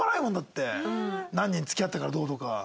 何人付き合ったからどうとか。